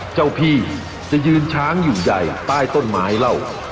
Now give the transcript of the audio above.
เจ้าพี่จะยืนช้างอยู่ใหญ่ใต้ต้นไม้เหล้า